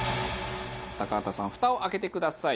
高畑さんフタを開けてください。